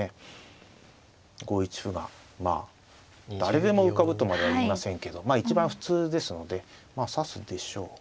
５一歩が誰でも浮かぶとまでは言いませんけど一番普通ですのでまあ指すでしょう。